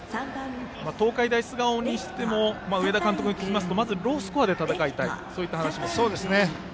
東海大菅生にしても上田監督に聞きますとまずロースコアで戦いたいといった話でした。